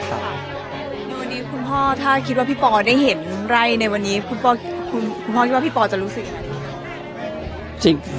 คุณพ่อถ้าคิดว่าพี่ปอล์ได้เห็นไรในวันนี้คุณพ่อคิดว่าพี่ปอล์จะรู้สึกอะไร